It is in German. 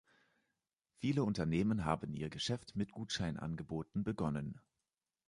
Viele Unternehmen haben ihr Geschäft mit Gutscheinangeboten begonnen.